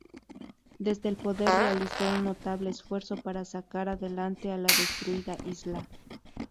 Desde el poder realizó un notable esfuerzo para sacar adelante a la destruida isla.